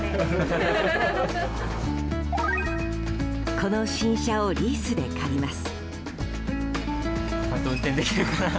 この新車をリースで借ります。